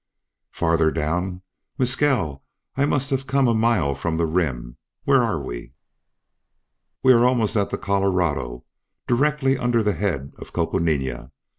"Farther down! Mescal, I must have come a mile from the rim. Where are we?" "We are almost at the Colorado, and directly under the head of Coconina.